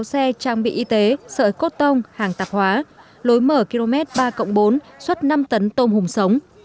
xe trang bị y tế sợi cốt tông hàng tạp hóa lối mở km ba bốn xuất năm tấn tôm hùm sống